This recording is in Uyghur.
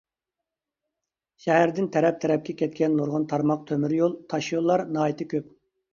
شەھەردىن تەرەپ-تەرەپكە كەتكەن نۇرغۇن تارماق تۆمۈريول، تاشيوللار ناھايىتى كۆپ.